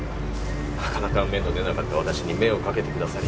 なかなか芽の出なかった私に目をかけてくださり